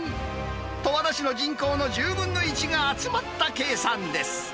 十和田市の人口の１０分の１が集まった計算です。